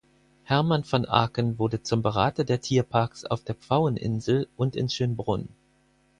Hermann van Aken wurde zum Berater der Tierparks auf der Pfaueninsel und in Schönbrunn.